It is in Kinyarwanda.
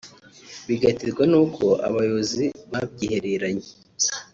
bigaterwa nuko abayobozi babyihereranye